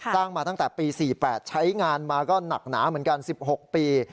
มาตั้งแต่ปี๔๘ใช้งานมาก็หนักหนาเหมือนกัน๑๖ปี